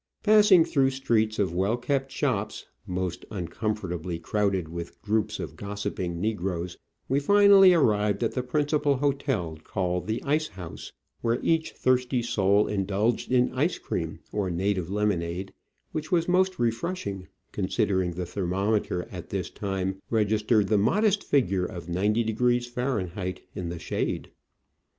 Passing through streets of well kept shops, mostly uncomfortably crowded with groups of gossiping negroes, we finally arrived at the principal hotel, called the Ice House, where each thirsty soul indulged in ice cream or native lemonade, which was most refreshing considering the thermometer at this time registered the modest figure of 90° Fahr. in the shade.